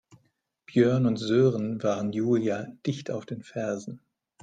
Björn und Sören waren Julia dicht auf den Fersen.